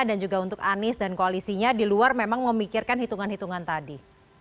dan juga untuk anis dan koalisinya di luar memang memikirkan hitungan hitungan tadi